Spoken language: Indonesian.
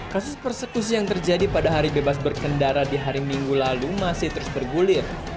kasus persekusi yang terjadi pada hari bebas berkendara di hari minggu lalu masih terus bergulir